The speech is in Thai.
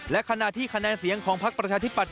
และขณะที่คะแนนเสียงของพักประชาธิปัต